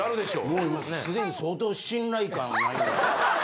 もう今既に相当信頼感ない。